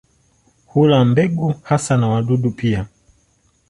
Hula mbegu hasa na wadudu pia.